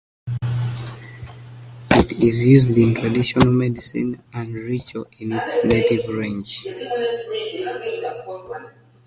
It is used in traditional medicine and ritual in its native range.